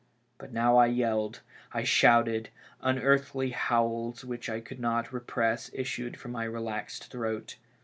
But now I yelled, I shouted; unearthly howls which I could not repress issued from my relaxed throat.